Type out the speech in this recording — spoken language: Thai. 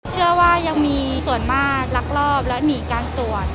เชื่อว่ายังมีส่วนมากลักลอบและหนีการตรวจ